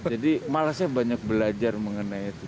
jadi malah saya banyak belajar mengenai itu